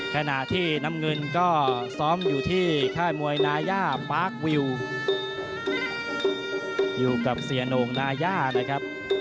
ขณะที่น้ำเงินก็ซ้อมอยู่ที่ค่ายมวยนาย่าปาร์ควิวอยู่กับเสียโหน่งนาย่านะครับ